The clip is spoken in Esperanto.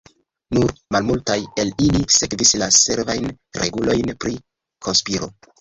Nur malmultaj el ili sekvis la severajn regulojn pri konspiro.